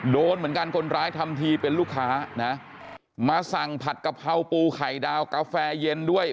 โดนเหมือนกันคนร้ายทำทีเป็นลูกค้านะมาสั่งผัดกะเพราปูไข่ดาวกาแฟเย็นด้วย